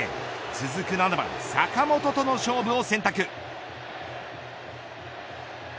続く、７番坂本との勝負を選択。